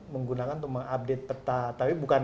menggunakan untuk mengupdate peta tapi bukan